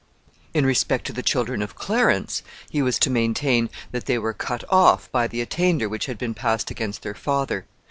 In respect to the children of Clarence, he was to maintain that they were cut off by the attainder which had been passed against their father.